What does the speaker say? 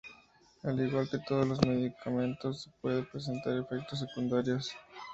Al igual que todos los medicamentos, puede presentar efectos secundarios.